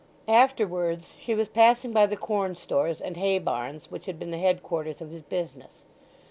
Afterwards she was passing by the corn stores and hay barns which had been the headquarters of his business.